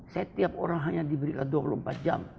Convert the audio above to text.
saya tiap orang hanya diberikan dua puluh puluh